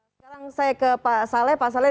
sekarang saya ke pak saleh